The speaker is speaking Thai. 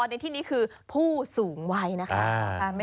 ในที่นี้คือผู้สูงวัยนะคะ